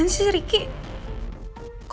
apa sih kita bisa butuh